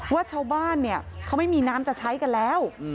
ว่าชาวบ้านเนี่ยเขาไม่มีน้ำจะใช้กันแล้ว